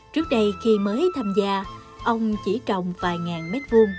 trước đây khi mới tham gia ông chỉ trồng vài ngàn m hai